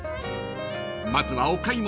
［まずはお買い物！